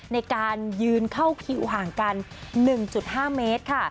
ในการยืนเข้าคิวห่างกัน๑๕เมตรค่ะ